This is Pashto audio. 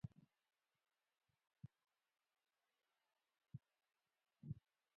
احمد تل د یتیمانو په سر د مهر بانۍ لاس تېروي.